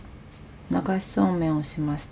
ながしそうめんをしました。